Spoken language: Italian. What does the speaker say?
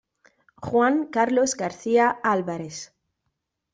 Juan Carlos García Álvarez